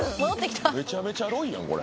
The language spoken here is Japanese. めちゃめちゃロイやんこれ。